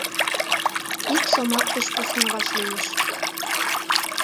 Ик шомак деч посна вашлийыч.